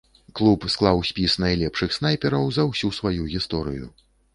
Клуб склаў спіс найлепшых снайпераў за ўсю сваю гісторыю.